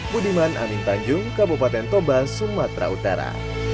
budiman amin tanjung kabupaten toba sumatera utara